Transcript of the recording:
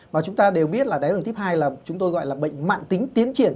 và chúng ta đều biết là đáy lần thứ hai là chúng tôi gọi là bệnh mạng tính tiến triển